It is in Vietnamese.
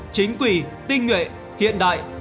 chính quỳ tinh nguyện hiện đại